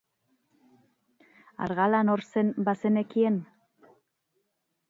Argala nor zen bazenekien?